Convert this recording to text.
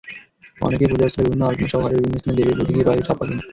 অনেকে পূজাস্থলে বিভিন্ন আলপনাসহ ঘরের বিভিন্ন স্থানে দেবীর প্রতীকী পায়ের ছাপ আঁকেন।